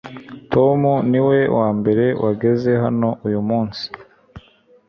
tom niwe wambere wageze hano uyumunsi